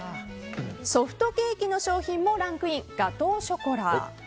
ソフトケーキの商品もランクインガトーショコラ。